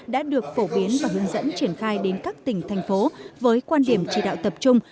đã được phổ biến và hướng dẫn triển khai đến các tỉnh thành phố với quan điểm chỉ đạo tập trung